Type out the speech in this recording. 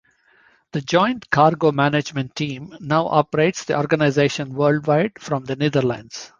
The Joint Cargo Management Team now operates the organisation worldwide from the Netherlands.